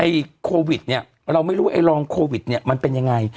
โควิดเนี่ยเราไม่รู้ไอ้รองโควิดเนี่ยมันเป็นยังไง